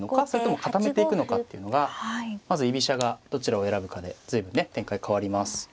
それとも固めていくのかっていうのがまず居飛車がどちらを選ぶかで随分ね展開変わります。